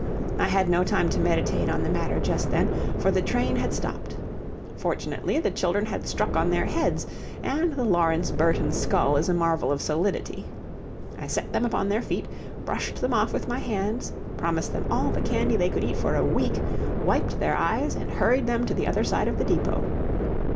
I had no time to meditate on the matter just then, for the train had stopped. Fortunately the children had struck on their heads, and the Lawrence Burton skull is a marvel of solidity. I set them upon their feet, brushed them off with my hands, promised them all the candy they could eat for a week, wiped their eyes, and hurried them to the other side of the depot.